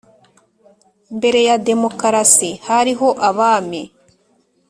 Mbere yademokarasi hariho abami